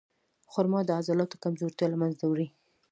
خرما د عضلاتو کمزورتیا له منځه وړي.